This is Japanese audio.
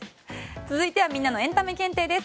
続いてはみんなのエンタメ検定です。